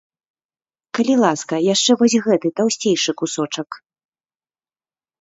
Калі ласка, яшчэ вось гэты таўсцейшы кусочак.